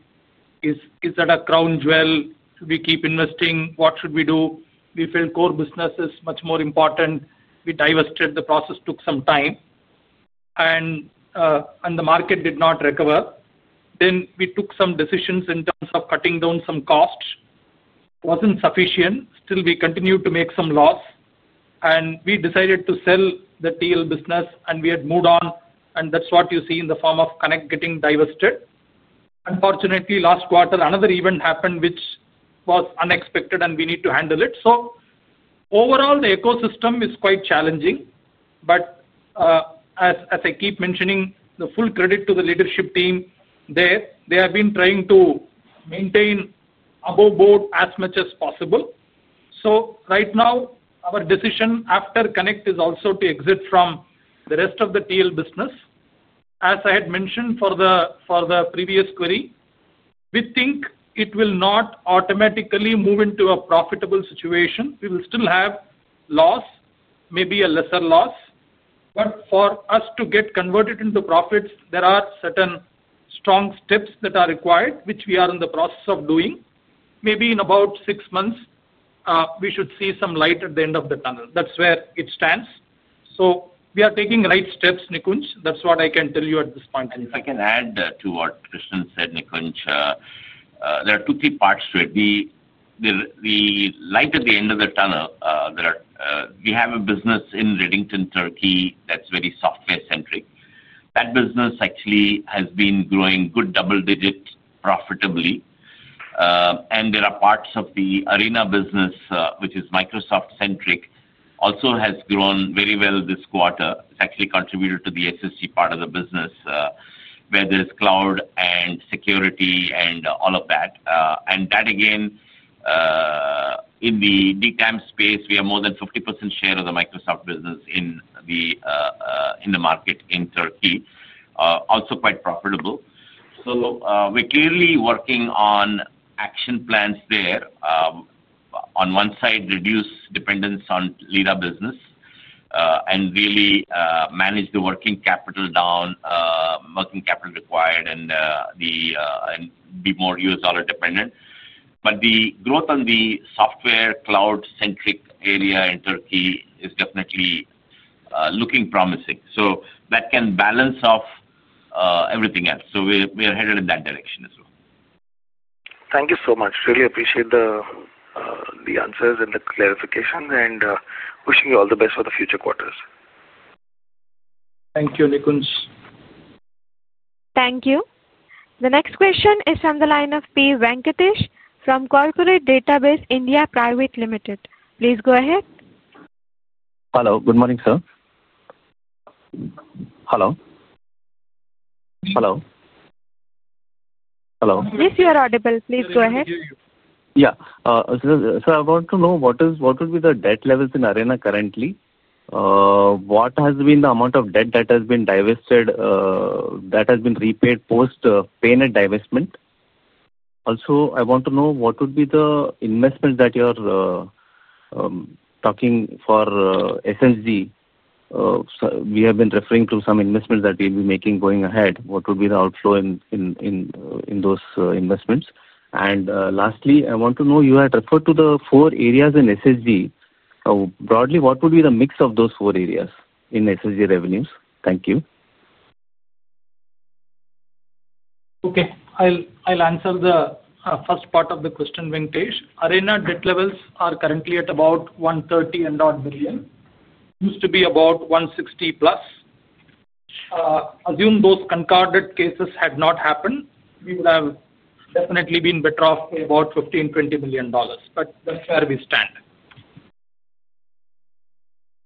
Is that a crown jewel? Should we keep investing? What should we do? We felt core business is much more important. We divested. The process took some time. The market did not recover. We took some decisions in terms of cutting down some costs. It wasn't sufficient. Still, we continued to make some loss. We decided to sell the TL business, and we had moved on. That's what you see in the form of Connect getting divested. Unfortunately, last quarter, another event happened which was unexpected, and we need to handle it. Overall, the ecosystem is quite challenging. As I keep mentioning, the full credit to the leadership team there. They have been trying to maintain above board as much as possible. Right now, our decision after Connect is also to exit from the rest of the TL business. As I had mentioned for the previous query, we think it will not automatically move into a profitable situation. We will still have loss, maybe a lesser loss. For us to get converted into profits, there are certain strong steps that are required, which we are in the process of doing. Maybe in about six months, we should see some light at the end of the tunnel. That is where it stands. We are taking right steps, Nikunj. That is what I can tell you at this point. If I can add to what Krishnan said, Nikunj. There are two or three parts to it. The light at the end of the tunnel. We have a business in Redington, Turkey, that's very software-centric. That business actually has been growing good double-digit profitably. There are parts of the Arena business, which is Microsoft-centric, also has grown very well this quarter. It has actually contributed to the SSG part of the business, where there is cloud and security and all of that. In the DTAM space, we have more than 50% share of the Microsoft business in the market in Turkey, also quite profitable. We are clearly working on action plans there. On one side, reduce dependence on Lira business and really manage the working capital down, working capital required, and be more US dollar dependent. The growth on the software cloud-centric area in Turkey is definitely. Looking promising. That can balance off everything else. We are headed in that direction as well. Thank you so much. Really appreciate the answers and the clarifications and wishing you all the best for the future quarters. Thank you, Nikunj. Thank you. The next question is from the line of P. Venkatesh from Corporate Database India Private Limited. Please go ahead. Hello. Good morning, sir. Yes, you are audible. Please go ahead. Yeah. I want to know what would be the debt levels in Arena currently? What has been the amount of debt that has been divested, that has been repaid post PayNet divestment? Also, I want to know what would be the investment that you are talking for SSG? We have been referring to some investments that we'll be making going ahead. What would be the outflow in those investments? Lastly, I want to know, you had referred to the four areas in SSG. Broadly, what would be the mix of those four areas in SSG revenues? Thank you. Okay. I'll answer the first part of the question, Venkatesh. Arena debt levels are currently at about $130 billion and odd. Used to be about $160 billion+. Assume those concarded cases had not happened, we would have definitely been better off with about $15 million-20 million. That is where we stand.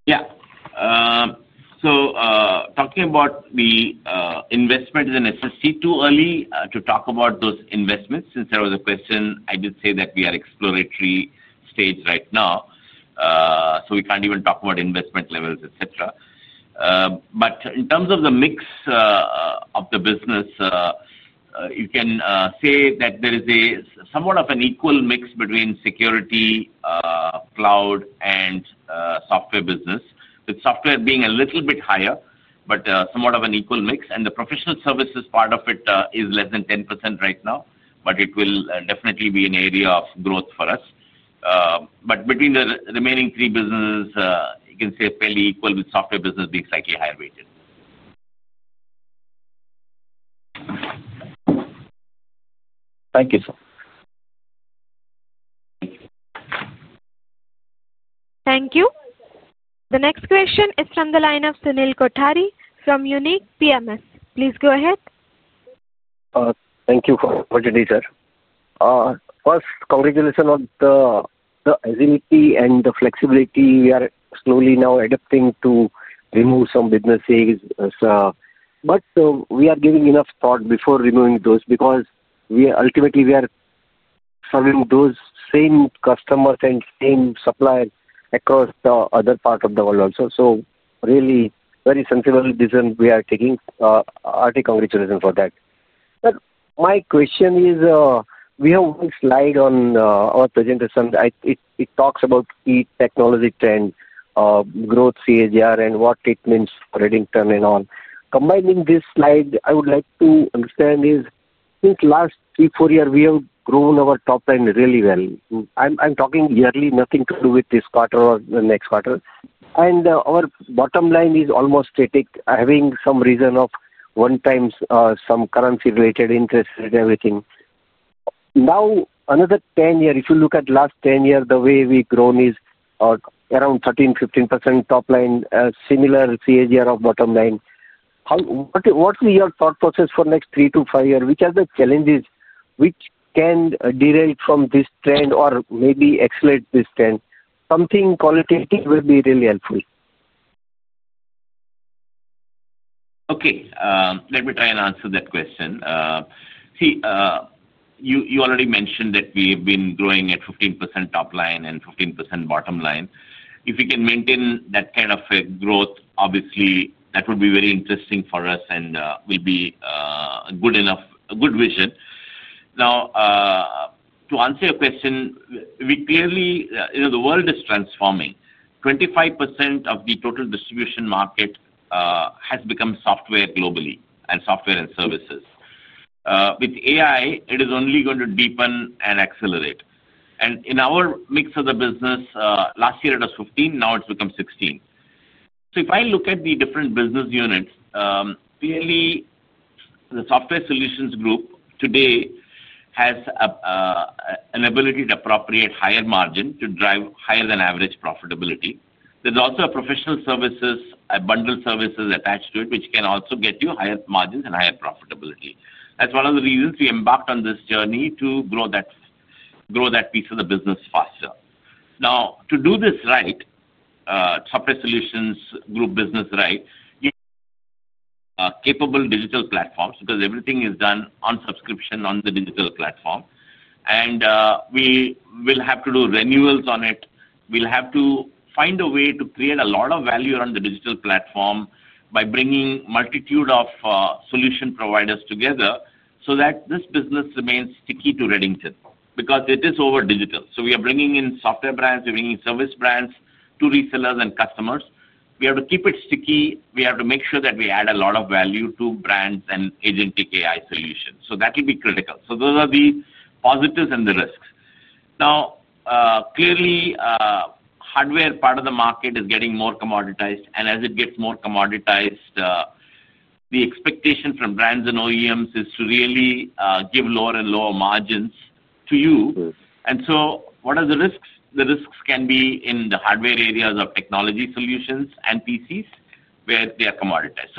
Yeah. Talking about the investment in SSG, too early to talk about those investments since there was a question, I did say that we are exploratory stage right now. We cannot even talk about investment levels, etc. In terms of the mix of the business, you can say that there is somewhat of an equal mix between security, cloud, and software business, with software being a little bit higher, but somewhat of an equal mix. The professional services part of it is less than 10% right now, but it will definitely be an area of growth for us. Between the remaining three businesses, you can say fairly equal, with software business being slightly higher weighted. Thank you, sir. Thank you. The next question is from the line of Sunil Kothari from Unique AMC. Please go ahead. Thank you for inviting me, sir. First, congratulations on the agility and the flexibility. We are slowly now adapting to remove some businesses. We are giving enough thought before removing those because ultimately, we are serving those same customers and same suppliers across the other part of the world also. Really, very sensible decision we are taking. Hearty congratulations for that. My question is, we have one slide on our presentation. It talks about key technology trend, growth, CAGR, and what it means for Redington and on. Combining this slide, I would like to understand is, since last three, four years, we have grown our top line really well. I am talking yearly, nothing to do with this quarter or the next quarter. Our bottom line is almost static, having some reason of one-time some currency-related interest and everything. Now, another 10 years, if you look at the last 10 years, the way we've grown is around 13%-15% top line, similar CAGR of bottom line. What's your thought process for the next three to five years? Which are the challenges which can derive from this trend or maybe accelerate this trend? Something qualitative will be really helpful. Okay. Let me try and answer that question. See, you already mentioned that we have been growing at 15% top line and 15% bottom line. If we can maintain that kind of growth, obviously, that would be very interesting for us and will be a good vision. Now, to answer your question, we clearly, the world is transforming. 25% of the total distribution market has become software globally and software and services. With AI, it is only going to deepen and accelerate. In our mix of the business, last year it was 15, now it is become 16. If I look at the different business units, clearly, the Software Solutions Group today has an ability to appropriate higher margin to drive higher-than-average profitability. There is also a professional services, a bundle services attached to it, which can also get you higher margins and higher profitability. That's one of the reasons we embarked on this journey to grow that piece of the business faster. Now, to do this right, Software Solutions Group business right, capable digital platforms because everything is done on subscription on the digital platform. And we will have to do renewals on it. We'll have to find a way to create a lot of value on the digital platform by bringing a multitude of solution providers together so that this business remains sticky to Redington because it is over digital. We are bringing in software brands, we're bringing service brands to resellers and customers. We have to keep it sticky. We have to make sure that we add a lot of value to brands and agentic AI solutions. That will be critical. Those are the positives and the risks. Now, clearly, hardware part of the market is getting more commoditized. As it gets more commoditized, the expectation from brands and OEMs is to really give lower and lower margins to you. What are the risks? The risks can be in the hardware areas of technology solutions and PCs where they are commoditized.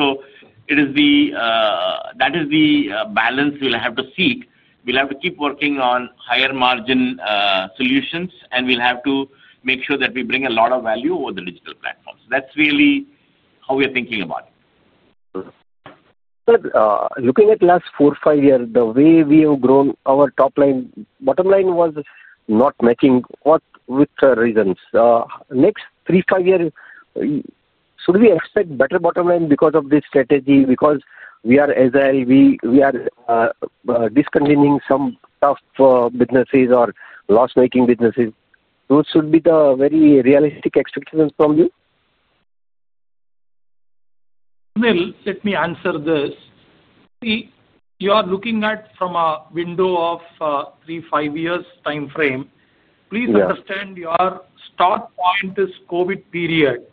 That is the balance we'll have to seek. We'll have to keep working on higher margin solutions, and we'll have to make sure that we bring a lot of value over the digital platforms. That's really how we are thinking about it. Looking at the last four, five years, the way we have grown our top line, bottom line was not matching with reasons. Next three, five years. Should we expect better bottom line because of this strategy? Because we are SI, we are discontinuing some tough businesses or loss-making businesses. Those should be the very realistic expectations from you. Sunil, let me answer this. See, you are looking at from a window of three, five years' time frame. Please understand your start point is COVID period.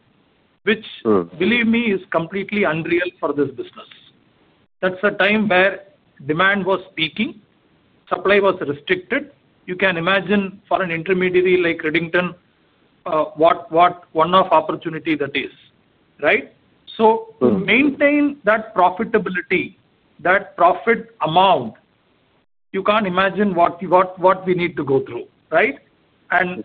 Which, believe me, is completely unreal for this business. That is a time where demand was peaking, supply was restricted. You can imagine for an intermediary like Redington. What one-off opportunity that is, right? To maintain that profitability, that profit amount. You cannot imagine what we need to go through, right?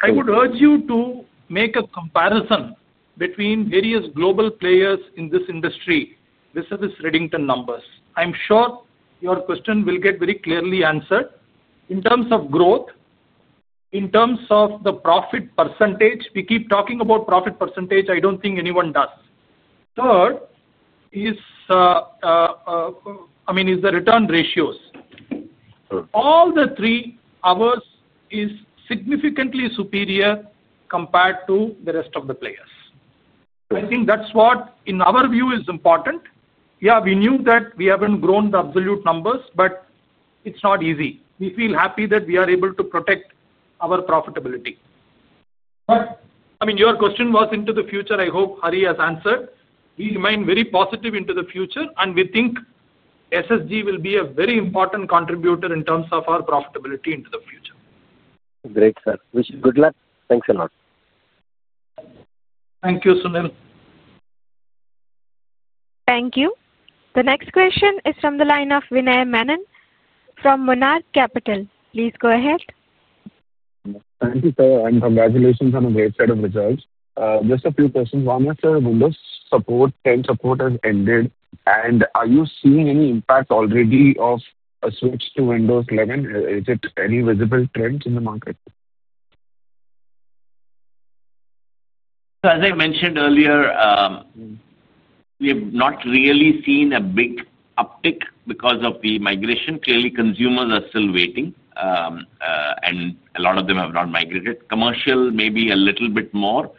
I would urge you to make a comparison between various global players in this industry. This is Redington numbers. I am sure your question will get very clearly answered. In terms of growth. In terms of the profit percentage, we keep talking about profit percentage. I do not think anyone does. Third is the return ratios. All the three of us is significantly superior compared to the rest of the players. I think that's what, in our view, is important. Yeah, we knew that we haven't grown the absolute numbers, but it's not easy. We feel happy that we are able to protect our profitability. I mean, your question was into the future. I hope Hari has answered. We remain very positive into the future, and we think SSG will be a very important contributor in terms of our profitability into the future. Great, sir. Good luck. Thanks a lot. Thank you, Sunil. Thank you. The next question is from the line of Vinay Menon from Monarch Capital. Please go ahead. Thank you, sir. Congratulations on a great set of results. Just a few questions. One is, sir, Windows support end support has ended, and are you seeing any impact already of a switch to Windows 11? Is it any visible trends in the market? As I mentioned earlier, we have not really seen a big uptick because of the migration. Clearly, consumers are still waiting, and a lot of them have not migrated. Commercial maybe a little bit more,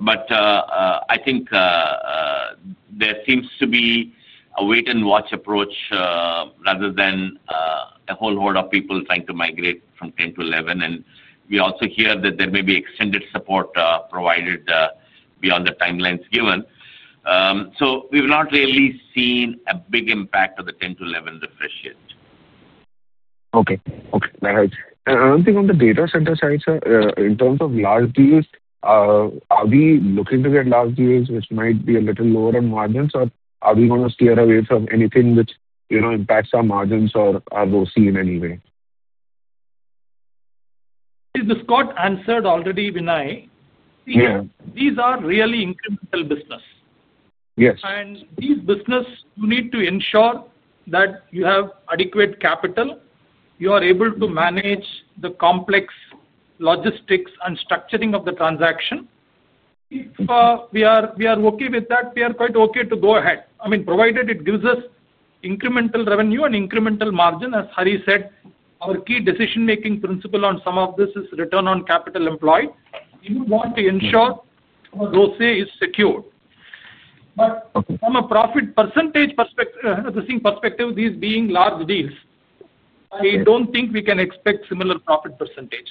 but I think there seems to be a wait-and-watch approach rather than a whole lot of people trying to migrate from 10 to 11. We also hear that there may be extended support provided beyond the timelines given. We have not really seen a big impact of the 10 to 11 refresh yet. Okay. Okay. That helps. One thing on the data center side, sir, in terms of large deals. Are we looking to get large deals which might be a little lower on margins, or are we going to steer away from anything which impacts our margins or our OpEx in any way? This got answered already, Vinay. These are really incremental business. And these business, you need to ensure that you have adequate capital. You are able to manage the complex logistics and structuring of the transaction. If we are okay with that, we are quite okay to go ahead. I mean, provided it gives us incremental revenue and incremental margin, as Hari said, our key decision-making principle on some of this is return on capital employed. We would want to ensure our ROCE is secured. From a profit percentage perspective, these being large deals, I do not think we can expect similar profit percentage.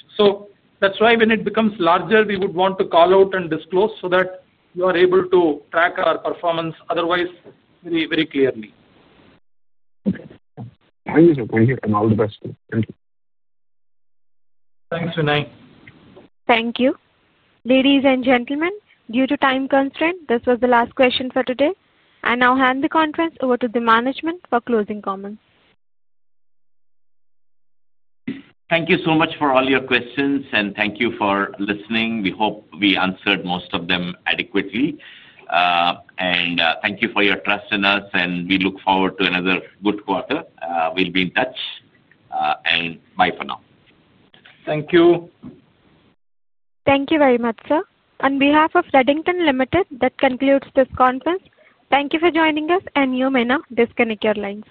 That is why when it becomes larger, we would want to call out and disclose so that you are able to track our performance otherwise very, very clearly. Thank you, sir. Thank you. All the best too. Thank you. Thanks, Vinay. Thank you. Ladies and gentlemen, due to time constraint, this was the last question for today. I now hand the conference over to the management for closing comments. Thank you so much for all your questions, and thank you for listening. We hope we answered most of them adequately. Thank you for your trust in us, and we look forward to another good quarter. We'll be in touch. Bye for now. Thank you. Thank you very much, sir. On behalf of Redington Limited, that concludes this conference. Thank you for joining us, and you may now disconnect your lines.